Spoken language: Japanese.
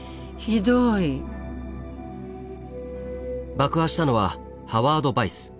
爆破したのはハワード・ヴァイス。